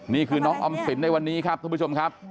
นี่คือน้องออมสินในวันนี้ครับท่านผู้ชมครับ